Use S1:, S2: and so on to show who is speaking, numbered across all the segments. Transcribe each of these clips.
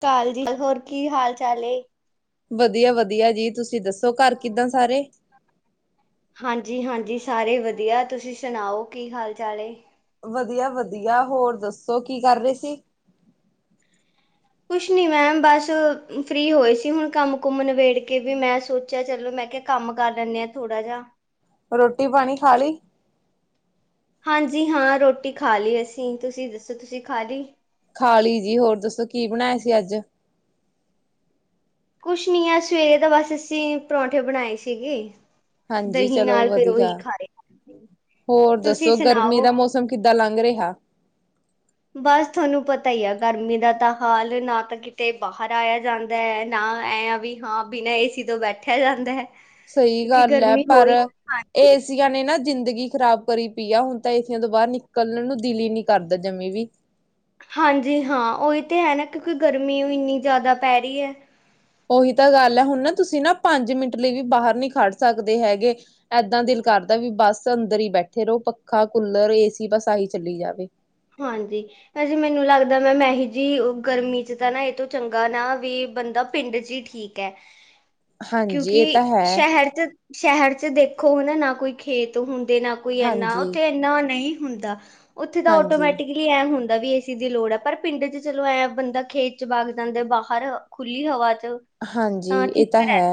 S1: ਕਾਲਜੀ, ਹੋਰ ਕੀ ਹਾਲ- ਚਾਲ ਏ?
S2: ਵਧੀਆ- ਵਧੀਆ ਜੀ, ਤੁਸੀਂ ਦੱਸੋ ਘਰ ਕਿੱਦਾਂ ਸਾਰੇ?
S1: ਹਾਂਜੀ- ਹਾਂਜੀ, ਸਾਰੇ ਵਧੀਆ ਤੁਸੀਂ ਸੁਣਾਓ ਕੀ ਹਾਲ -ਚਾਲ ਏ?
S2: ਵਧੀਆ- ਵਧੀਆ, ਹੋਰ ਦੱਸੋ ਕੀ ਕਰ ਰਹੇ ਸੀ?
S1: ਕੁਛ ਨੀ ਮੈਮ ਬਸ ਫ੍ਰਰੀ ਹੋਏ ਸੀ, ਹੁਣ ਕੰਮ ਕੁੁੰਮ ਨਿਬੇੜ ਕੇ ਵੀ ਮੈਂ ਸੋਚਿਆ ਚਲੋ ਮੈਂ ਕਿਹਾ ਕੰਮ ਕਰ ਲੈਂਦੇ ਆ ਥੋੜਾ ਜਿਹਾ।
S2: ਰੋਟੀ- ਪਾਣੀ ਖਾ ਲਈ।
S1: ਹਾਂਜੀ ਹਾਂ, ਰੋਟੀ ਖਾ ਲਈ ਅਸੀਂ, ਤੁਸੀਂ ਦੱਸੋ ਤੁਸੀਂ ਖਾ ਲਈ?
S2: ਖਾ ਲੀ ਜੀ ਹੋਰ ਦੱਸੋ ਕੀ ਬਣਾਏ ਸੀ ਅੱਜ?
S1: ਕੁਛ ਨੀ ਆ ਸਵੇਰੇ ਦਾ ਬਸ ਅਸੀਂ ਪਰੌਂਠੇ ਬਣਾਏ ਸੀਗੇ।
S2: ਹਾਂਜੀ
S1: ਦਹੀਂ
S2: ਚਲੋ
S1: ਨਾਲ ਫਿਰ
S2: ਵਧੀਆ।
S1: ਉਹੀ ਖਾਏ
S2: ਹੋਰ
S1: ਤੁਸੀਂ
S2: ਦੱਸੋ ਗਰਮੀ
S1: ਸੁਣਾਓ?
S2: ਦਾ ਮੌਸਮ ਕਿੱਦਾਂ ਲੰਘ ਰਿਹਾ।
S1: ਬਸ ਤੁਹਾਨੂੰ ਪਤਾ ਹੀ ਆ, ਗਰਮੀ ਦਾ ਤਾਂ ਹਾਲ ਨਾ ਤਾਂ ਕਿਤੇ ਬਾਹਰ ਆਇਆ ਜਾਂਦਾ ਹੈ ਨਾ ਐ ਵੀ। ਹਾਂ, ਬਿਨਾਂ ਏਸੀ ਤੋਂ ਬੈਠਿਆ ਜਾਂਦਾ ਹੈ।
S2: ਸਹੀ
S1: ਕਿਉਂਕਿ
S2: ਗੱਲ ਹੈ।
S1: ਗਰਮੀ ਹੋ
S2: ਪਰ,
S1: ਹੀ ਹਾਂਜੀ
S2: ਇਸ ਏਸੀ ਨੇ ਨਾ ਜ਼ਿੰਦਗੀ ਖ਼ਰਾਬ ਕਰੀ ਪੀਆ ਹੁਣ ਤਾਂ ਇਹ ਏ ਸੀਆ ਤੋਂ ਬਾਹਰ ਨਿਕਲਣ ਨੂੰ ਦਿਲ ਹੀ ਨਹੀਂ ਕਰਦਾਂ ਜਮੀਂ ਵੀ।
S1: ਹਾਂਜੀ ਹਾਂ, ਉਹੀ ਤਾਂ ਹੈ ਨਾ, ਕਿਉਂਕਿ ਗਰਮੀ ਇੰਨੀ ਜ਼ਿਆਦਾ ਪੈ ਰਹੀ ਹੈ।
S2: ਉਹੀ ਤਾਂ ਗੱਲ ਹੈ ਹੁਣ ਨਾ ਤੁਸੀਂ ਨਾ ਪੰਜ ਮਿੰਟ ਲਈ ਵੀ ਬਾਹਰ ਨਹੀਂ ਖੜ ਸਕਦੇ ਹੈਗੇ। ਇਏਦਾਂ ਦਿਲ ਕਰਦਾ ਵੀ ਬਸ ਅੰਦਰ ਹੀ ਬੈਠੇ ਰਹੋ, ਪੱਖਾ, ਕੂਲਰ, ਏ ਸੀ ਬਸ ਆਹੀ ਚੱਲੀ ਜਾਵੇ।
S1: ਹਾਂਜੀ। ਹਾਜੀ ਮੈਨੂੰ ਲੱਗਦਾ ਮੈਂ ਮੈਂਨੂੰ ਜੀ ਗਰਮੀ ਚ' ਤਾਂ ਨਾ ਇਹ ਤੋਂ ਚੰਗਾ ਨਾ ਵੀ ਬੰਦਾ ਪਿੰਡ ਚ' ਹੀ ਚੰਗਾ। ਠੀਕ ਹੈ।
S2: ਹਾਂਜੀ।
S1: ਕਿਉਂਕਿ
S2: ਇਹ ਤਾਂ ਹੈ।
S1: ਸ਼ਹਿਰ ਚ ਸ਼ਹਿਰ ਚ ਦੇਖੋ ਹਨਾ ਨਾ ਕੋਈ ਖੇਤ ਹੁੰਦੇ ਨਾ ਕੋਈ ਇਨਾ
S2: ਹਾਂਜੀ,
S1: ਉੱਥੇ ਇੰਨਾ ਓ ਨਈ ਹੁੰਦਾ। ਉੱਥੇ ਤਾ
S2: ਹਾਂਜੀ,
S1: ਵੀ ਐਂ ਹੁੰਦਾ ਵੀ ਇਸ ਚੀਜ਼ ਦੀ ਲੋੜ ਐ। ਪਰ ਪਿੰਡ ਚ ਚਲੋ ਐਂ ਬੰਦਾ ਖੇਤ ਚ ਭਗ ਜਾਂਦੇ ਬਾਹਰ ਰ ਖੁੱਲੀ ਹਵਾ ਚ
S2: ਹਾਂਜੀ ਇਹ ਤਾਂ ਹੈ।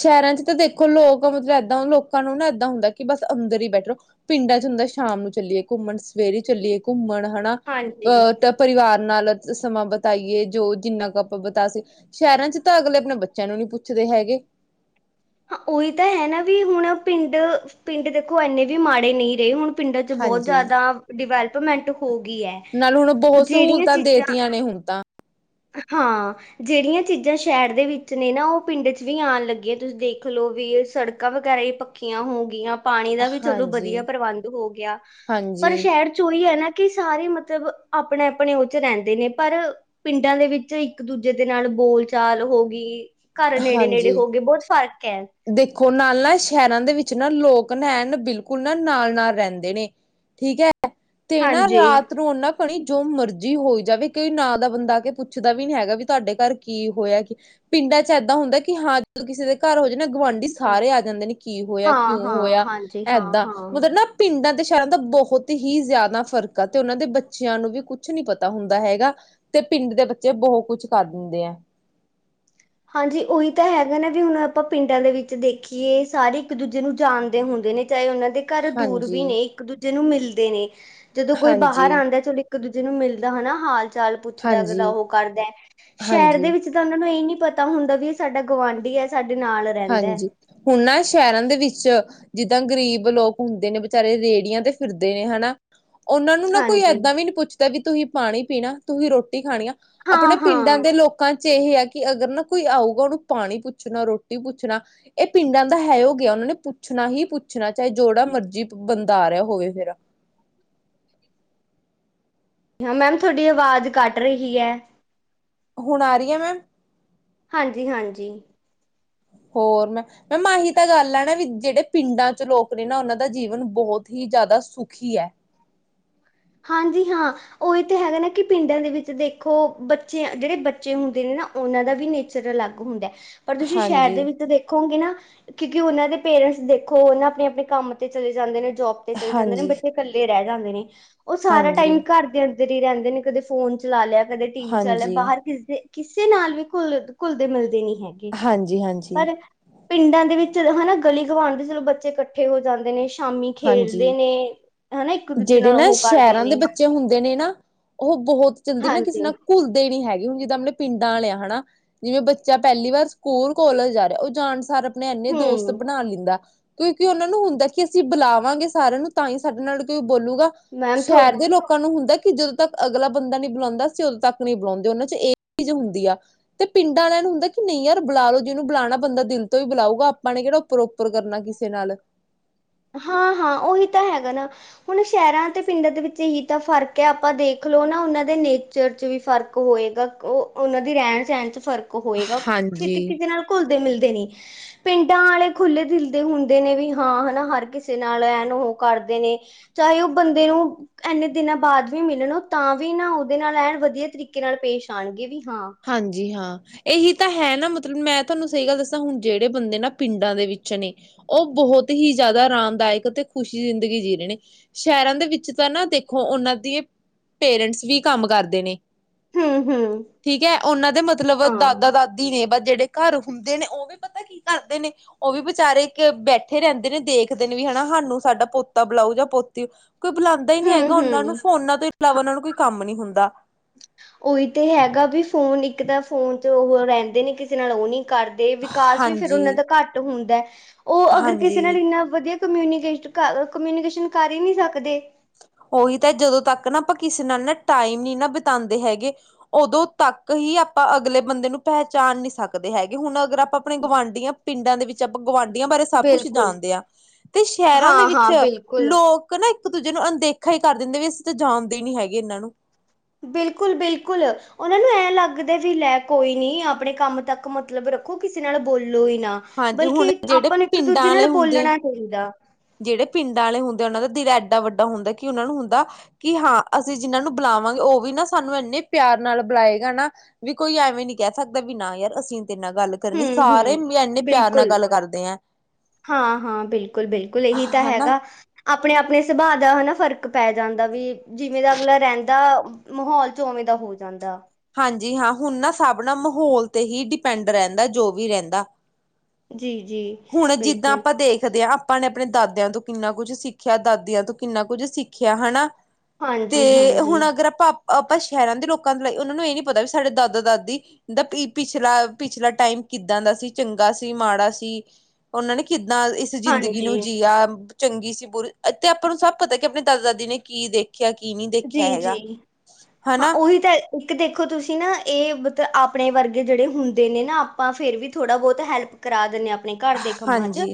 S2: ਸ਼ਹਿਰਾਂ ਚ ਤਾਂ ਦੇਖੋ, ਲੋਕ ਮਤਲਬ ਏਦਾਂ ਲੋਕਾਂ ਨੂੰ ਨਾ ਏਦਾਂ ਹੁੰਦਾ, ਕਿ ਬਸ ਅੰਦਰ ਹੀ ਬੈਠੋ ਰੋ ਪਿੰਡਾਂ ਚ ਹੁੰਦਾ ਸ਼ਾਮ ਨੂੰ ਚੱਲੀਏ ਘੁੰਮਣ ਸਵੇਰੇ ਚੱਲੀਏ ਘੁੰਮਣ ਹਨਾ
S1: ਹਾਂਜੀ।
S2: ਅਹ ਤ ਪਰਿਵਾਰ ਨਾਲ ਅ ਸਮਾਂ ਬਿਤਾਈਏ ਜੋ ਜਿੰਨਾ ਕੁ ਆਪਾਂ ਬਿਤਾ ਸਕ, ਸ਼ਹਿਰਾਂ ਚ ਤਾਂ ਅਗਲੇ ਆਪਣੇ ਬੱਚਿਆਂ ਨੂੰ ਨਈ ਪੁੱਛਦੇ ਹੈਗੇ।
S1: ਉਹੀ ਤਾਂ ਹੈ ਨਾ ਵੀ ਹੁਣ ਪਿੰਡ -ਪਿੰਡ ਦੇਖੋ ਇੰਨੇ ਵੀ ਮਾੜੇ ਨਈ ਰਹੇ ਹੁਣ ਪਿੰਡਾਂ ਚ ਬਹੁਤ
S2: ਹਾਂਜੀ।
S1: ਜਿਆਦਾ ਡਿਵੈਲਪਮੈਂਟ ਹੋ ਗਈ ਹੈ। ਜਿਹੜੀਆਂ ਚੀਜ਼ਾਂ
S2: ਨੀ ਹੁਣ ਤਾਂ
S1: ਹਾਂ। ਜਿਹੜੀਆਂ ਚੀਜ਼ਾਂ ਸ਼ਹਿਰ ਦੇ ਵਿੱਚ ਨੇ ਨਾ ਉਹ ਪਿੰਡ ਚ ਵੀ ਆਉਣ ਲੱਗੀਆਂ, ਤੁਸੀਂ ਦੇਖ ਲਓ ਵੀ ਓਸੜਕਾਂ ਵਗੈਰਾ ਵੀ ਪਕ ਪਕੀਆ ਹੋ ਗਈਆਂ, ਪਾਣੀ ਦਾ ਵੀ ਚਲੋ
S2: ਹਾਂਜੀ
S1: ਵਧੀਆ ਪ੍ਰਬੰਧ ਹੋ ਗਿਆ। ਪਰ
S2: ਹਾਂਜੀ
S1: ਸ਼ਹਿਰ ਉਹੀ ਹੈ ਨਾ ਕਿ ਸਾਰੇ ਮਤਲਬ ਆਪਣੇ- ਆਪਣੇ ਉਹ ਚ ਰਹਿੰਦੇ ਨੇ ਪਰ ਪਿੰਡਾਂ ਦੇ ਵਿੱਚ ਇੱਕ ਦੂਜੇ ਦੇ ਨਾਲ ਬੋਲ -ਚਾਲ ਹੋ ਗਈ। ਘਰ ਨੇੜੇ- ਨੇੜੇ
S2: ਹਾਂਜੀ
S1: ਹੋ ਗਏ, ਬਹੁਤ ਫ਼ਰਕ ਐ।
S2: ਦੇਖੋ ਨਾਲ ਨਾ ਸ਼ਹਿਰਾਂ ਦੇ ਵਿੱਚ ਨਾ ਲੋਕ ਨਾ ਐਨ ਬਿਲਕੁਲ ਨਾ ਨਾਲ-ਨਾਲ ਰਹਿੰਦੇ ਨੇ ਠੀਕ ਹੈ, ਤੇ ਨਾ
S1: ਹਾਂਜੀ
S2: ਰਾਤ ਨੂੰ ਨਾ ਭੈਣੇ ਜੋ ਮਰਜ਼ੀ ਹੋ ਜਾਵੇ, ਕੋਈ ਨਾਂਲ ਦਾ ਬੰਦਾ ਆ ਕੇ ਪੁੱਛਦਾ ਵੀ ਨੀ ਹੈਗਾ, ਵੀ ਤੁਹਾਡੇ ਘਰ ਕੀ ਹੋਇਆ ਕੀ ਪਿੰਡਾਂ ਚ ਏਦਾਂ ਹੁੰਦੈ ਕੀ ਹਾਂ ਕਿਸੇ ਦੇ ਘਰ ਹੋਜੇ ਨਾ ਗੁਆਂਢੀ
S1: ਹਾਂ
S2: ਸਾਰੇ ਆ ਜਾਂਦੇ ਨੇ ਕੀ ਹੋਇਆ,
S1: ਹਾਂ
S2: ਕਿਉਂ
S1: ਹਾਂ
S2: ਹੋਇਆ
S1: ਹਾਂਜੀ ਹਾਂ
S2: ਐਦਾਂ
S1: ਹਾਂ
S2: ਮਤਲਬ ਨਾ ਪਿੰਡਾਂ ਤੇ ਸ਼ੈਰਾਂ ਦਾ ਬੋਹਤ ਹੀ ਜਾਦਾ ਫ਼ਰਕ ਆ, ਤੇ ਓਨਾਂ ਦੇ ਬੱਚਿਆਂ ਨੂੰ ਵੀ ਕੁਛ ਨੀ ਪਤਾ ਹੁੰਦਾ ਹੈਗਾ ਤੇ ਪਿੰਡ ਦੇ ਬੱਚੇ ਬੋਹ ਕੁਛ ਕਰ ਦਿੰਦੇ ਐ।
S1: ਹਾਂਜੀ, ਓਹੀ ਤਾਂ ਹੈਗਾ ਨਾ ਵੀ ਹੁਣ ਆਪਾਂ ਪਿੰਡਾਂ ਦੇ ਵਿੱਚ ਦੇਖੀਏ ਸਾਰੇ ਇੱਕ ਦੂਜੇ ਨੂੰ ਜਾਣਦੇ ਹੁੰਦੇ ਨੇ ਚਾਹੇ ਉਨਾਂ ਦੇ ਘਰ ਦੂਰ ਵੀ
S2: ਹਾਂਜੀ
S1: ਨੇ ਇੱਕ ਦੂਜੇ ਨੂੰ ਮਿਲਦੇ ਨੇ ਜਦੋਂ ਕੋਈ ਬਾਹਰ
S2: ਹਾਂਜੀ
S1: ਆਂਦੈ [unintelligible] ਇੱਕ ਦੂਜੇ ਨੂੰ ਮਿਲਦਾ ਹਨਾ ਹਾਲ-ਚਾਲ ਪੁੱਛਦਾ ਅਗਲਾ
S2: ਹਾਂਜੀ
S1: ਓਹ ਕਰਦੈ ਸ਼ੈਰ ਦੇ
S2: ਹਾਂਜੀ
S1: ਵਿੱਚ ਚ ਤਾਂ ਉਨਾਂ ਨੂੰ ਏ ਈ ਨੀ ਪਤਾ ਹੁੰਦਾ ਵੀ ਆ ਸਾਡਾ ਗੁਆਂਢੀ ਐ ਸਾਡੇ ਨਾਲ ਰਹਿੰਦਾ ਹੈ
S2: ਹਾਂਜੀ, ਹੁਣ ਨਾ ਸ਼ੈਰਾਂ ਦੇ ਵਿੱਚ ਜਿੱਦਾਂ ਗ਼ਰੀਬ ਲੋਕ ਹੁੰਦੇ ਨੇ ਵਿਚਾਰੇ ਰੇੜੀਆਂ ਤੇ ਫਿਰਦੇ ਨੇ ਹਨਾ ਓਨਾਂ ਨੂੰ ਨਾ ਕੋਈ
S1: ਹਾਂਜੀ
S2: ਏਦਾਂ ਵੀ ਨੀ ਪੁੱਛਦਾ ਵੀ ਤੁਹੀ ਪਾਣੀ ਪੀਣਾ, ਤੁਹੀ ਰੋਟੀ ਖਾਣੀ ਆ ਆਪਣੇ
S1: ਹਾਂ
S2: ਪਿੰਡਾਂ
S1: ਹਾਂ
S2: ਦੇ ਲੋਕਾਂ ਚ ਏਹ ਆ ਕੀ ਅਗਰ ਨਾ ਕੋਈ ਆਊਗਾ ਉਨੂੰ ਪਾਣੀ ਪੁੱਛਣਾ, ਰੋ ਟੀ ਪੁੱਛਣਾ ਏ ਪਿੰਡਾਂ ਦਾ ਹੈ ਓ ਗਿਆ ਉਨਾਂ ਨੇ ਪੁੱਛਣਾ ਹੀ ਪੁੱਛਣਾ ਚਾਹੇ ਜੋੜਾ ਮਰਜ਼ੀ ਬੰਦਾ ਰਿਆ ਹੋਵੇ ਫੇਰ
S1: ਹਾਂ, ਮੈਮ ਤੁਹਾਡੀ ਆਵਾਜ਼ ਕੱਟ ਰਹੀ ਐ।
S2: ਹੁਣ ਆਰੀ ਆ ਮੈਮ?
S1: ਹਾਂਜੀ-ਹਾਂਜੀ
S2: ਹੋਰ ਮੈਂ ਮੈਂਮ ਆਹੀ ਤਾਂ ਗੱਲ ਐ ਨਾ ਵੀ ਜੇੜੇ ਪਿੰਡਾਂ ਚੋ ਲੋਕ ਨੇ ਨਾ ਓਨਾਂ ਦਾ ਜੀਵਨ ਬੋਹਤ ਹੀ ਜਾਦਾ ਸੁਖੀ ਐ।
S1: ਹਾਂਜੀ ਹਾਂ ਓ ਏ ਤਾਂ ਹੈਗਾ ਨਾ ਕੀ ਪਿੰਡਾਂ ਦੇ ਵਿੱਚ ਦੇਖੋ ਬੱਚੇ ਜੇੜੇ ਬੱਚੇ ਹੁੰਦੇ ਨੇ ਨਾ ਉਨਾਂ ਦਾ, ਲ ਵੀ ਨੇਚਰ ਅਲੱਗ ਹੁੰਦੈ ਪਰ ਤੁਸੀਂ ਸ਼ੈਰ ਦੇ
S2: ਹਾਂਜੀ
S1: ਵਿੱਚ ਦੇਖੋਗੇ ਨਾ ਕਿਉਂਕੀ ਉਨਾਂ ਦੇ ਪੇਰੈਂਟਸ ਦੇਖੋ ਨਾ ਆਪਣੇ-ਆਪਣੇ ਕੰਮ ਤੇ ਚਲੇ ਜਾਂਦੇ ਨੇ, ਜੋਬ ਤੇ ਚਲੇ ਜਾਂਦੇ ਨੇ
S2: ਹਾਂਜੀ
S1: ਬੱਚੇ ਕੱਲੇ ਰੈ ਜਾਂਦੇ ਨੇ ਓ ਸਾਰਾ
S2: ਹਾਂਜੀ
S1: ਟਾਈਮ ਘਰ ਦੇ ਅੰਦਰ ਈ ਰੈਂਦੇ ਨੇ, ਕਦੇ ਫੋਨ ਚਲਾ ਲਿਆ, ਕਦੇ ਟੀ ਵੀ ਚੱਲ
S2: ਹਾਂਜੀ
S1: ਬਾਹਰ ਕਿਸ ਦੇ ਕਿਸੇ ਨਾਲ ਵੀ ਘੁੱਲ ਘੁਲਦੇ ਮਿਲਦੇ ਨੀ ਹੈਗੇ।
S2: ਹਾਂਜੀ ਹਾਂਜੀ
S1: ਪਰ ਪਿੰਡਾਂ ਦੇ ਵਿੱਚ ਹਨਾ। ਗਲੀ ਗਵਾਢ ਦੇ ਚਲੋ, ਬੱਚੇ ਕੱਠੇ ਹੋ ਜਾਂਦੇ ਨੇ। ਸ਼ਾਮੀ
S2: ਹਾਂਜੀ
S1: ਖੇਲਦੇ ਨੇ ਹਨਾ। ਇੱਕ ਦੂਜੇ ਨਾਲ ਓਹੋ ਕਰ
S2: ਸੈਰਾਂ ਦੇ ਬੱਚੇ ਹੁੰਦੇ ਨੇ ਨਾ, ਓ ਬਹੋਤ ਜਲਦੀ ਨਾ ਕਿਸੇ
S1: ਹਾਂਜੀ
S2: ਨਾਲ ਘੁੱਲਦੇ ਨੀ ਹੈਗੇ, ਹੁਣ ਜਿੱਦਾਂ ਆਪਣੇ ਪਿੰਡਾਂ ਆਲੇ ਹਨਾ। ਜਿਵੇਂ ਬੱਚਾ ਪੈਲੀ ਵਾਰ ਸਕੂਲ ਕੋਲਜ ਜਾ ਰਿਹਾ, ਓ ਜਾਣ ਸਾਰ ਆਪਣੇ ਐਨੇ ਦੋਸਤ
S1: ਹੂੰ
S2: ਬਣਾ ਲੈਂਦਾ, ਕਿਓਕੇ ਉਨਾਂ ਨੂੰ ਹੁੰਦਾ ਕੇ ਬੁਲਾਵਾਂਗੇ, ਸਾਰਿਆਂ ਨੂੰ ਤਾਂ ਹੀ ਸਾਡੇ ਨਾਲ ਕੋਈ ਬੋਲੂਗਾ,
S1: ਮੈਮ ਥੋ
S2: ਸੈ਼ਰ ਦੇ ਲੋਕ ਲੋਕਾਂ ਨੂੰ ਹੁੰਦਾ, ਕੇ ਜਦੋਂ ਤੱਕ ਅਗਲਾ ਬੰਦਾ ਨੀ ਬਲਾਉਂਦਾ, ਅਸੀਂ ਉਦੋਂ ਤੱਕ ਨੀ ਬੁਲਾਉਂਦੇ, ਉਨਾਂ ਚ, ਏ ਚੀਜ਼ ਹੁੰਦੀ ਆ। ਤੇ ਪਿੰਡਾਂ ਆਲਿਆਂ ਨੂੰ ਹੁੰਦਾ ਕੇ ਨਈ ਯਾਰ ਬੁਲਾ ਲੋ ਜੀਨੂੰ ਬੁਲਾਣਾ, ਬੰਦਾ ਦਿਲ ਤੋਂ, ਈ ਬੁਲਾਊਗਾ, ਆਪਾਂ ਨੇ ਕੇੜਾ ਉਪਰੋਂ ਉਪਰ ਕਰਨਾ ਕਿਸੇ ਨਾਲ
S1: ਹਾਂ-ਹਾਂ, ਓਹੀ ਤਾਂ ਹੈਗਾ ਨਾ। ਹੁਣ ਸੈ਼ਰਾਂ ਅਤੇ ਪਿੰਡਾਂ ਦੇ, ਵਿੱਚ ਏਹੀ ਤਾਂ ਫਰਕ ਐ, ਆਪਾਂ ਦੇਖਲੋ ਨਾ, ਓਨਾਂ ਦੇ ਨੇ ਚ ਵੀ ਫ਼ਰਕ ਹੋਏਗਾ, ਓ ਉਹਨਾਂ ਦੀ ਰੈਣ-ਸੈਣ ਚੋ, ਫ਼ਰਕ ਹੋਏਗਾ, ਛੇ
S2: ਹਾਂਜੀ
S1: ਕਿਸੇ ਨਾਲ ਘੁਲਦੇ -ਮਿਲਦੇ ਨੀ, ਪਿੰਡਾਂ ਆਲੇ ਖੁੱਲੇ ਦਿਲ ਦੇ ਹੁੰਦੇ ਨੇ ਵੀ ਹਾਂ ਹਨਾ। ਕਿਸੇ ਨਾਲ ਐਨ ਉਹੋ ਕਰਦੇ ਨੇ, ਚਾਹੇ ਓ ਬੰਦੇ ਨੂੰ ਐਨੇ ਦਿਨਾਂ ਬਾਅਦ ਵੀ ਮਿਲਣ ਓ ਤਾਂ ਵੀ, ਨਾ ਉਹਦੇ ਨਾਲ ਐਣ ਵਧੀਆ ਤਰੀਕੇ ਨਾਲ ਪੇਸ਼ ਆਂਣਗੇ ਵੀ ਹਾਂ।
S2: ਹਾਂਜੀ ਹਾਂ। ਏਹੀ ਤਾਂ ਹੈ ਨਾ, ਮਤਲਬ ਮੈਂ ਤੁਆਨੂੰ ਸਹੀ ਗੱਲ ਦੱਸਾਂ ਹੁਣ ਜੇੜੇ ਬੰਦੇ ਨਾ ਪਿੰਡਾਂ ਦੇ ਵਿੱਚ ਨੇ ਓ ਬਹੋਤ ਹੀ ਜ਼ਿਆਦਾ ਆਰਾਮਦਾਇਕ ਅਤੇ ਖੁਸ਼ੀ ਜ਼ਿੰਦਗੀ ਜੀ ਰਹੇ ਨੇ। ਸੈ਼ਰਾਂ ਦੇ ਵਿੱਚ ਤਾਂ ਨਾ ਦੇਖੋ, ਓਨਾਂ ਦੇ ਪੇਰੈਂਟਸ ਵੀ ਕੰਮ ਕਰਦੇ ਨੇ।
S1: ਹੂੰ-ਹੂੰ।
S2: ਠੀਕ ਐ ਉਹਨਾਂ ਦੇ ਮਤਲਬ
S1: ਹਾਂ
S2: ਦਾਦਾ-ਦਾਦੀ ਨੇ ਬ ਜੇੜੇ ਘਰ ਹੁੰਦੇ ਨੇ, ਓ ਵੀ ਪਤਾ ਕੀ ਕਰਦੇ ਨੇ। ਓ ਵੀ ਵਿਚਾਰੇ ਬੈਠੇ ਰੈਂਦੇ ਨੇ ਦੇਖਦੇ ਨੇ ਵੀ ਹਨਾ, ਹਾਨੂੰ ਸਾਡਾ ਪੋਤਾ ਬਲਾਉ ਜਾਂ ਪੋਤੀ ਕੋਈ ਬੁਲਾਉਂਦਾ ਹੀ, ਨੀ ਹੈਗਾ, ਉਨ੍ਹਾ ਨੂੰ
S1: ਹੂੰ-ਹੂੰ
S2: ਫੋਨਾਂ ਤੋਂ ਇਲਾਵਾ ਉਨ੍ਹਾ ਕੋਈ ਕੰਮ ਨੀ ਹੁੰਦਾ।
S1: ਓ ਈ ਤੇ ਹੈਗਾ ਵੀ ਫੋਨ ਇੱਕ ਤਾਂ, ਫੋਨ ਚ ਰੈਦੇ ਨੇ, ਕਿਸੇ ਨਾਲ ਓ ਨੀ ਕਰਦੇ। ਦੇ ਵਿਕਾਸ ਵੀ ਫੇਰ
S2: ਹਾਂਜੀ
S1: ਓਨਾਂ ਦਾ ਘੱਟ ਹੁੰਦਾ, ਓ ਅਗਰ ਕਿਸੇ ਨਾਲ
S2: ਹਾਂਜੀ
S1: ਏਨਾ ਵਧੀਆ ਕਮਿਊਨੀਕੇਸਟ-ਕਮਿਊਨੀਕੇਸ਼ਨ ਕਰ ਈ ਨੀ ਸਕਦੇ।
S2: ਓ ਹੀ ਤਾਂ ਜਦੋਂ ਤੱਕ ਨਾ, ਆਪਾਂ ਕਿਸੇ ਨਾਲ ਨਾ ਟਾਈਮ ਨਾ ਬਿਤਾਂਦੇ ਹੈਗੇ। ਉਦੋਂ ਤੱਕ ਹੀ ਆਪਾਂ ਅਗਲੇ ਬੰਦੇ ਨੂੰ ਪੈਹਚਾਣ ਨੀ ਸਕਦੇ ਹੈਗੇ, ਹੁਣ ਅਗਰ ਆਪ ਆਪਣੇ ਗੁਵਾਢੀਆਂ ਪਿੰਡਾਂ ਦੇ ਵਿੱਚ ਆਪਾਂ ਗੁਵਾਢੀਆਂ ਬਾਰੇ ਸਭ-ਕੁਛ
S1: ਬਿਲਕੁਲ।
S2: ਜਾਣਦੇ ਆਂ ਤੇ ਸੈ਼ਰਾਂ ਦੇ
S1: ਹਾਂ-ਹਾਂ
S2: ਵਿੱਚ
S1: ਬਿਲਕੁਲ।
S2: ਲੋਕ ਨਾ ਇੱਕ ਦੂਜੇ ਨੂੰ ਅਣਦੇਖਾ ਈ ਕਰ ਦਿੰਦੇ, ਵੀ ਅਸੀਂ ਤਾਂ ਜਾਣਦੇ ਨੀ ਹੈਗੇ, ਏਨਾਂ ਨੂੰ
S1: ਬਿਲਕੁਲ-ਬਿਲਕੁਲ। ਉਹਨਾਂ ਨੂੰ ਐਂ ਲੱਗਦਾ ਵੀ ਲੈ ਕੋਈ ਨੀ, ਆਪਣੇ ਕੰਮ ਤੱਕ ਮਤਲਬ ਰੱਖੋ, ਕਿਸੇ ਨਾਲ ਬੋਲੋ ਈ ਨਾ।
S2: ਹਾਂਜੀ
S1: ਬਲ
S2: ਹੁਣ
S1: ਕੇ
S2: ਜਿਹੜੇ
S1: ਆਪਾਂ ਨੂੰ ਇੱਕ-ਦੂਜੇ ਨਾਲ ਬੋਲਣਾ ਚਾਹੀਦਾ।
S2: ਜੇੜੇ ਪਿੰਡਾਂ ਆਲੇ ਹੁੰਦੇ ਆ ਉਨ੍ਹਾ ਦਿਲ ਐਡਾ-ਵੱਡਾ ਹੁੰਦਾ, ਕਿ ਉਨ੍ਹਾ ਨੂੰ ਹੁੰਦਾ। ਕਿ ਹਾਂ, ਅਸੀਂ ਜਿੰਨਾਂ ਨੂੰ ਬੁਲਾਵਾਂਗੇ ਓ ਵੀ ਨਾ, ਸਾਨੂੰ ਐਨੇ ਪਿਆਰ ਨਾਲ ਬੁਲਾਏਗਾ ਨਾ। ਵੀ ਕੋਈ ਐਵੇਂ ਨੀ ਕੈ ਸਕਦਾ ਵੀ ਨਾ ਯਾਰ, ਅਸੀਂ ਨੀ ਤੇਰੇ ਨਾਲ ਗੱਲ ਕਰ ਕਰਨੀ ਸਾਰੇ
S1: ਹੂੰ-ਹੂੰ
S2: ਵੀ ਐਨੇ ਪਿਆਰ ਨਾਲ
S1: ਬਿਲਕੁਲ।
S2: ਗੱਲ ਕਰਦੇ ਐ।
S1: ਹਾਂ-ਹਾਂ, ਬਿਲਕੁਲ-ਬਿਲਕੁਲ ਏਹੀ ਤਾਂ
S2: ਹਨਾ
S1: ਹੈਗਾ। ਆਪਣੇ-ਆਪਣੇ ਸੁਭਾਅ ਦਾ ਹਨਾ ਫ਼ਰਕ ਪੈ ਜਾਂਦਾ, ਵੀ ਜਿਵੇਂ ਦਾ ਅਗਲਾ ਰੈਂਦਾ। ਮਾਹੌਲ ਚ ਓਵੇਂ ਦਾ ਹੋ ਜਾਂਦਾ।
S2: ਹਾਂਜੀ ਹਾਂ, ਹੁਣ ਨਾ ਸਭ ਨਾਲ ਮਾਹੌਲ ਤੇ ਹੀ ਡਿਪੈਂਡ ਰੈਂਦਾ ਜੋ ਵੀ ਰੈਂਂਦਾ।
S1: ਜੀ-ਜੀ
S2: ਹੁਣ ਜਿੱਦਾਂ
S1: ਬਿਲਕੁਲ
S2: ਆਪਾਂ ਦੇਖਦੇ ਆਂ। ਆਪਾ ਨੇ ਆਪਣੇ ਦਾਦੇਆਂ ਤੋਂ ਕਿੰਨਾ ਕੁਛ ਸਿੱਖਿਆ, ਦਾਦੀਆਂ ਤੋਂ ਕਿੰਨਾ ਕੁੱਝ ਸਿੱਖਿਆ ਹਨਾ। ਤੇ
S1: ਹਾਂਜੀ-ਹਾਂਜੀ।
S2: ਹੁਣ ਅਗਰ ਆਪਾਂ-ਆਪਾਂ ਸ਼ਹਿਰਾਂ ਦੇ ਲੋਕਾਂ ਦੇ ਲਈ ਉਹਨਾਂ ਨੂੰ ਏ ਨੀ ਪਤਾ ਵੀ ਸਾਡੇ ਦਾਦਾ-ਦਾਦੀ ਦਾ ਪਿ ਪਿਛਲਾ-ਪਿਛਲਾ ਟਾਈਮ ਕਿੱਦਾਂ ਦਾ ਸੀ ਚੰਗਾ ਸੀ ਮਾੜਾ ਸੀ। ਉਨਾਂ ਨੇ ਕਿੱਦਾਂ ਇਸ ਜ਼ਿੰਦਗੀ
S1: ਹਾਂਜੀ
S2: ਨੂੰ ਜੀਆ ਚੰਗੀ ਸੀ ਬੂਰੀ ਤੇ ਆਪਾਂ ਨੂੰ ਸਭ ਪਤਾ ਕਿ ਆਪਨੇ ਦਾਦਾ-ਦਾਦੀ ਨੇ ਕੀ ਦੇ ਖਿਆ ਕੀ ਨੀ ਦੇਖਿਆ ਹੈਗਾ
S1: ਜੀ-ਜੀ ਹਾਂ
S2: ਹਨਾ।
S1: ਉਹੀ ਤਾਂ ਇੱਕ ਦੇਖੋ ਤੁਸੀਂ ਨਾ ਏ ਮਤਲਬ ਆਪਨੇ ਵਰਗੇ ਜੇੜੇ ਹੁੰਦੇ ਨੇ ਨਾ ਆਪਾਂ ਫੇਰ ਵੀ ਥੋੜ੍ਹਾ ਬੋਹਤ ਹੈਲਪ ਕਰਾ ਦਿੰਨੇ ਆ ਅਪਨੇ ਘਰ ਦੇ ਕੰਮਾਂ ਚ।
S2: ਹਾਂਜੀ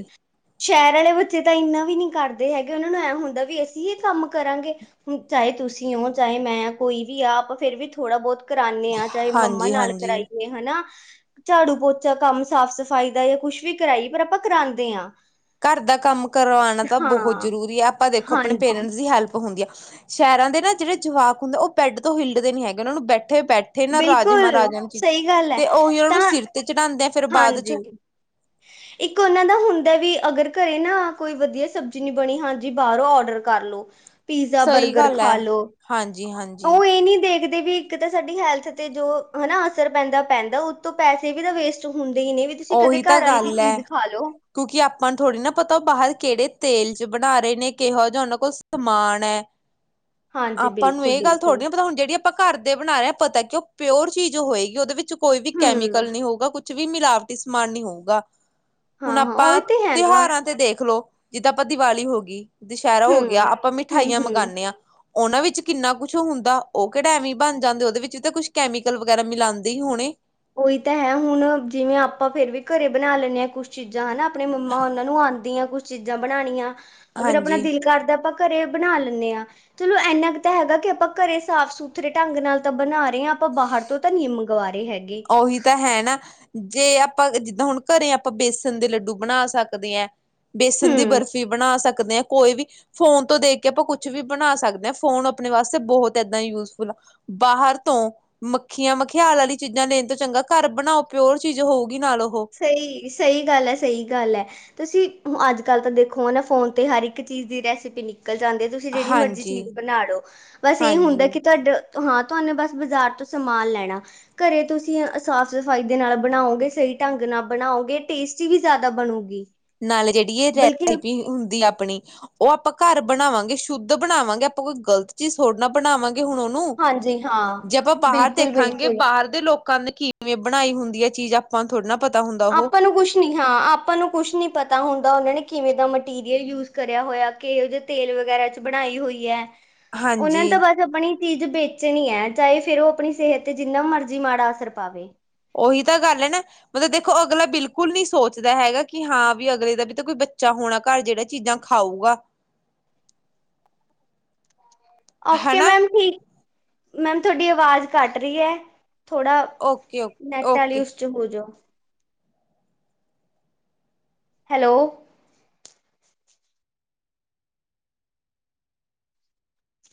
S1: ਸ਼ਹਰ ਵਾਲੇ ਬੱਚੇ ਤਾਂ ਇੰਨਾ ਵੀ ਨੀ ਕਰਦੇ ਹੈਗੇ ਉਹਨਾਂ ਨੂੰ ਐ ਹੁੰਦਾ ਵੀ ਅਸੀਂ ਇਹ ਕੰਮ ਕਰਾਂਗੇ। ਹੁਣ ਚਾਹੇ ਤੁਸੀਂ ਹੋ ਚਾਹੇ ਮੈਂ ਕੋਈ ਵੀ ਆ ਆਪਾਂ ਫੇਰ ਵੀ ਥੋੜ੍ਹਾ ਬੋਹਤ ਕਰਾਨੇ ਆ ਚਾਏ ਮੰਮਾ
S2: ਹਾਂਜੀ
S1: ਨਾਲ
S2: ਹਾਂਜੀ
S1: ਕਰਾਈਏ। ਹਨਾ ਝਾੜੂ, ਪੋਚਾ ਕੰਮ ਸਾਫ਼-ਸਫ਼ਾਈ ਦਾ ਯਾ ਕੁਛ ਵੀ ਕਰਾਈ ਪਰ ਆਪਾਂ ਕਰਾਦੇ ਆ।
S2: ਘਰ ਦਾ ਕੰਮ ਕਰਵਾਨਾ ਤਾਂ ਬੋਹਤ
S1: ਹਾਂ
S2: ਜ਼ਰੂਰੀ ਐ ਆਪਾਂ ਦੇਖੋ ਅਪਨੇ
S1: ਹਾਂਜੀ
S2: ਪੇਰੈਂਟਸ ਦੀ ਹੈਲਪ ਹੁੰਦੀ ਐ ਸ਼ਹਿਰਾਂ ਦੇ ਨਾ ਜੇੜੇ ਜਵਾਕ ਹੁੰਦੇ ਓ ਬੇਡ ਤੋਂ ਹਿਲਦੇ ਨੀ ਹੈਗੇ ਉਹਨਾਂ ਨੂੰ ਬੈਠੇ ਬੈਠ ਠੇ ਨਾ ਰਾਜੇ
S1: ਬਿਲਕੁਲ
S2: ਮਹਾਰਾਜਿਆਂ ਨੂੰ ਚ
S1: ਸਹੀ ਗੱਲ ਹੈ
S2: ਤੇ ਉਹੀ ਓਹਨਾਂ ਨੂੰ
S1: ਤਾਂ
S2: ਸਿਰ ਤੇ ਚੜਾਦੇ ਐ।
S1: ਹਾਂਜੀ।
S2: ਹ।
S1: ਇੱਕ ਉਹਨਾਂ ਦਾ ਹੁੰਦਾ ਵੀ ਅਗਰ ਘਰੇ ਨਾ ਕੋਈ ਵਧੀਆ ਸਬਜ਼ੀ ਨੀ ਬਣੀ ਹਾਂਜੀ ਬਾਰੋਂ ਔਡਰ ਕਰਲੋ। ਪੀਜ਼ਾ,
S2: ਸਹੀ
S1: ਬਰਗਰ
S2: ਗੱਲ
S1: ਖਾ
S2: ਹੈ
S1: ਲੋ
S2: ਹਾਂਜੀ ਹਾਂਜੀ
S1: ਉਹ ਏ ਨੀ ਦੇਖ ਤੇ ਵੀ ਇੱਕ ਤਾਂ ਸਾਡੀ ਹੈਲਥ ਤੇ ਜੋ ਹਨਾ ਅਸਰ ਪੈਂਦਾ-ਪੈਂਦਾ ਉਤੋਂ ਪੈਸੇ ਵੀ ਤਾਂ ਵੇਸਟ ਹੁੰਦੇ ਹੀ ਨੇ ਵੀ ਤੁਸੀਂ ਕਦੇ
S2: ਉਹੀ ਤਾਂ
S1: ਕਾਰ ਆਲੀ ਵੀ
S2: ਗੱਲ ਹੈ
S1: ਚੀਜ਼ ਖਾ ਲੋੋ।
S2: ਕਿਉਂਕਿ ਆਪਾਂ ਨੂੰ ਥੋੜ੍ਹੀ ਨਾ ਪਤਾ ਉਹ ਬਾਹਰ ਕੇੜੇ ਤੇਲ ਚ ਬਣਾ ਰਹੇ ਨੇ ਕਿਹੋ ਜਿਹਾ ਉਹਨਾਂ ਕੋਲ ਸਮਾਨ ਐ।
S1: ਹਾਂਜੀ
S2: ਆਪਾਂ ਨੂੰ
S1: ਬਿਲਕੁਲ
S2: ਏਹ ਗੱਲ
S1: ਬਿਲਕੁਲ
S2: ਥੋੜੀ ਪਤਾ ਹੁਣ ਜੇੜਿਆ ਆਪਾਂ ਘਰ ਦੇ ਬਣਾ ਰਹੇ ਹਾਂ ਪਤਾ ਕਿ ਉਹ ਪਿਓਰ ਚੀਜ਼ ਹੋਏਗੀ ਉਦੇ ਵਿੱਚ ਕੋਈ ਵੀ
S1: ਹੂੰ
S2: ਕੈਮੀਕਲ ਨੀ ਹੋਊਗਾ ਕੁ ਛ ਵੀ ਮਿਲਾਵਟੀ ਸਮਾਨ ਨੀ ਹੋਊਗਾ
S1: ਹਾਂ
S2: ਹੁਣ
S1: ਹਾਂ
S2: ਆਪਾਂ
S1: ਉਹੀ ਤੇ ਹੈਗਾ
S2: ਤਿਉਹਾਰਾਂ ਤੇ ਦੇਖ ਲੋ। ਜਿੱਦਾਂ ਆਪਾਂ ਦੀਵਾਲੀ ਹੋ ਗੀ, ਦੁਸਹਿਰਾ ਹੋ
S1: ਹੂੰ
S2: ਗਿਆ ਆਪਾਂ
S1: ਹੂੰ
S2: ਮਿਠਾਈਆਂ
S1: ਹੂੰ
S2: ਮੰਗਾਨੇ ਆ। ਓਨਾਂ ਵਿੱਚ ਕਿੰਨਾ ਕੁਛ ਹੁੰਦਾ ਓ ਕੇੜਾ ਐਵੇ ਬਨ ਜਾਂਦੇ ਉਦੇ ਵਿੱਚ ਤਾਂ ਕੁਛ ਕੈਮੀਕਲ ਵਗੈਰਾ ਮਿਲਾਂਦੇ ਹੀ ਹੋਣੇ।
S1: ਉਹੀ ਤਾਂ ਹੈ ਹੁਣ ਜਿਵੇਂ ਆਪਾਂ ਫੇਰ ਵੀ ਘਰੇ ਬਨਾ ਲੈਨੇ ਆ ਕੁਛ ਚੀਜ਼ਾਂ ਹਨਾ ਆਪਣੇ ਮੰਮਾ ਹੋਨਾ ਨੂੰ ਆ ਦੀਆਂ ਕੁਛ ਚੀਜ਼ਾਂ ਬਣਾਣੀਆਂ ਅਗਰ ਆਪਣਾ
S2: ਹਾਂਜੀ
S1: ਦਿਲ ਕਰਦਾ ਆਪਾਂ ਘਰੇ ਬਨਾ ਲੈਂਨੇ ਆ। ਚਲੋ ਇੰਨਾ ਕੁ ਤਾਂ ਹੈਗਾ ਕਿ ਆਪਾਂ ਘਰੇ ਸਾਫ਼ ਸੁਥਰੇ ਢੰਗ ਨਾਲ ਤਾਂ ਬਣਾ ਰੇ ਹਾਂ ਆਪਾਂ ਬਾਹਰ ਤੋਂ ਤਾਂ ਨੀ ਮੰਗਵਾ ਰਹੇ ਹੈਗੇ।
S2: ਓਹੀ ਤਾਂ ਹੈ ਨਾ ਜੇ ਅ ਆਪਾਂ ਜਿੱਦਾਂ ਹੁਣ ਘਰੇ ਆਪਾਂ ਬੇਸਨ ਦੇ ਲੱਡੂ ਬਣਾ ਸਕਦੇ ਹਾਂ ਬੇਸਨ ਦੀ
S1: ਹੂੰ
S2: ਬਰਫ਼ੀ ਬਣਾ ਸਕ ਦੇ ਆ ਕੋਈ ਵੀ ਫੋਨ ਤੋਂ ਦੇਖ ਕੇ ਆਪਾਂ ਕੁਛ ਵੀ ਬਣਾ ਸਕਦੇ ਹਾਂ ਫੋਨ ਆਪਣੇ ਵਾਸਤੇ ਬੋਹਤ ਏਦਾਂ ਹੀ ਯੂਜਫੁਲ ਆ। ਬਾਹਰ ਤੋਂ ਮੱਖੀਆਂ ਮਖਿਆਲ ਆਲੀ ਚੀਜ਼ਾਂ ਲੈਣ ਤੋਂ ਚੰਗਾ ਘਰ ਬਣਾਓ ਪਿਓਰ ਚੀਜ਼ ਹੋਊਗੀ ਨਾਲ ਓਹੋ।
S1: ਸਈ ਸਈ ਗੱਲ ਐ, ਸਈ ਗੱਲ ਐ। ਤੁਸੀਂ ਅੱਜ ਕੱਲ ਤਾਂ ਦੇਖੋ ਹਨਾ ਫੋਨ ਤੇ ਹਰ ਇੱਕ ਚੀਜ਼ ਦੀ ਰੈਸਿਪੀ ਨਿਕਲ ਜਾਂਦੀ ਤੁ ਤੁਸੀਂ ਜੇੜੀ ਮਰਜ਼ੀ
S2: ਹਾਂਜੀ,
S1: ਚੀਜ਼ ਬਨਾ ਲੋ ਬਸ ਏਹ ਹੁੰਦਾ
S2: ਹਾਂਜੀ
S1: ਕਿ ਤੁਹਾਡ ਹਾਂ ਤੁਹਾਨੂੰ ਬਸ ਬਾਜ਼ਾਰ ਤੋਂ ਸਮਾਨ ਲੈਣਾ। ਘਰੇ ਤੁਸੀਂ ਸਾਫ਼ ਸਫ਼ਾਈ ਦੇ ਨਾਲ ਬਣਾਓਗੇ ਸਈ ਢੰਗ ਨਾਲ ਬਣਾਓਗੇ ਟੇਸਟੀ ਵੀ ਜਾਦਾ ਬਣੂਗੀ।
S2: ਨਾਲੇ ਜੇੜੀ ਇਹ
S1: ਬਲਕਿ
S2: ਰੈਸਪੀ ਹੁੰਦੀ ਆਪਣੀ ਉਹ ਆਪਾਂ ਘਰ ਬਣਾਵਾਂਗੇ ਸ਼ੁੱਧ ਬਣਾਵਾਂਗੇ ਆਪਾਂ ਕੋਈ ਗਲਤ ਚੀਜ਼ ਥੋੜ੍ਹੇ ਨਾ ਬਣਾਵਾਂਗੇ ਹੁਣ ਉਹ ਨੂ
S1: ਹਾਂਜੀ ਹਾਂ
S2: ਜੇ ਆਪਾਂ ਬਾਹਰ
S1: ਬਿਲਕੁਲ
S2: ਦੇਖਾਂਗੇ
S1: ਬਿਲਕੁਲ
S2: ਬਾਹਰ ਦੇ ਲੋਕਾਂ ਨੇ ਕਿਵੇਂ ਬਣਾਈ ਹੁੰਦੀ ਹੈ ਚੀਜ਼ ਆਪਾਂ ਨੂੰ ਥੋੜ੍ਹੀ ਨਾ ਪਤਾ ਹੁੰਦਾ ਉਹੋ
S1: ਉਹੀ ਨਾ ਹਾ ਆਪਾਂ ਨੂੰ ਕੁੱਛ ਨਹੀਂ ਪਤਾ ਹੁੰਦਾ ਉਹਨਾਂ ਨੇ ਕਿਵੇਂ ਦਾ ਮਟੀਰੀਅਲ ਯੂਜ ਕਰਿਆ ਹੋਇਆ ਕੇਲ ਦੇ ਤੇਲ ਵਗੈਰਾ ਚ ਬਣਾਈ ਹੋਈ ਹੈ ਉਹਨਾਂ
S2: ਹਾਂਜੀ
S1: ਤੋਂ ਬਸ ਬਣੀ ਚੀਜ਼ ਵੇਚਣੀ ਹੈ ਚਾਹੇ ਫਿਰ ਉਹ ਆਪਣੀ ਸਿਹਤ ਤੇ ਜਿੰਨਾ ਮਰਜ਼ੀ ਮਾੜਾ ਅਸਰ ਪਾਵੇ
S2: ਉਹੀ ਤਾਂ ਗੱਲ ਹੈ ਨਾ ਮਤਲੱਬ ਦੇਖੋ ਅਗਲਾ ਬਿਲਕੁੱਲ ਨਹੀਂ ਸੋਚਦਾ ਹੈਗਾ ਕਿ ਹਾਂ ਵੀ ਅਗਲੇ ਦਾ ਵੀ ਤਾਂ ਕੋਈ ਬੱਚਾ ਹੋਣਾ ਘਰ ਜਿਹੜਾ ਚੀਜ਼ਾਂ ਖਾਊਗਾ
S1: ਓਕੇ
S2: ਹਨਾ
S1: ਮੈਂਮ ਠੀਕ ਮੈਂਮ ਤੁਹਾਡੀ ਆਵਾਜ਼ ਕੱਟ ਰਹੀ ਹੈ ਥੋੜਾ
S2: ਓਕੇ ਓਕੇ
S1: ਨੈਟ ਆਲੇ
S2: ਓਕੇ।
S1: ਉਸ ਚ ਹੋ ਜਾਓ ਹੈਲੋ